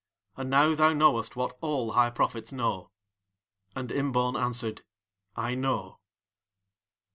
And now thou knowest what all High Prophets know." And Imbaun answered: "I know."